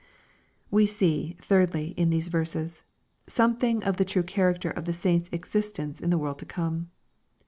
We see, thirdly, in these verses, something of the true character of the saints' existence in the world to come.